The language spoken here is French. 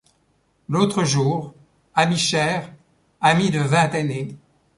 L'autre jour, ami cher, ami de vingt années